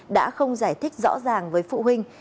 đã không giải thích rõ ràng với phụ huynh